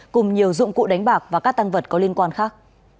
cùng nhiều dụng cụ đánh bạc và các tăng vật có liên quan khác